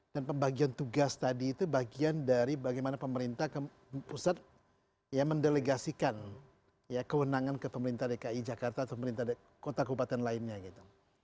dan bagian tugas tadi itu bagian dari bagaimana pemerintah pusat ya mendelegasikan ya kewenangan ke pemerintah dki jakarta atau pemerintah kota kubatan lainnya gitu